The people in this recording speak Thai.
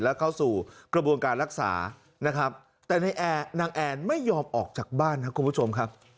แล้วเข้าสู่กระบวนการรักษานะครับแต่นี่แอนอั๊ยไม่ยอบออกจากบ้านนะคนผู้ชมครับ